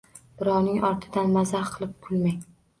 Birovning ortidan mazax qilib kulmang.